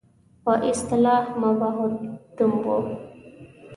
په اصطلاح مباح الدم وو.